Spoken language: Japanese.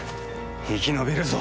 生き延びるぞ！